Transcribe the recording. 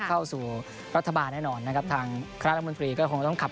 เข้าสู่รัฐบาลแน่นอนนะครับ